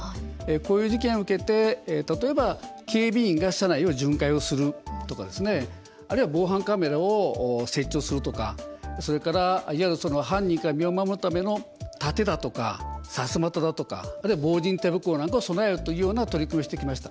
こういう事件を受けて、例えば警備員が車内を巡回をするとかあるいは防犯カメラを設置をするとかそれから、いわゆる犯人から身を守るための盾だとか、さすまただとかあるいは防刃手袋なんかを備えるというような取り組みをしてきました。